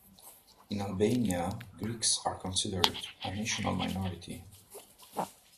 In Albania, Greeks are considered a "national minority".